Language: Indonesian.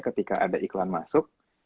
ketika ada iklan masuk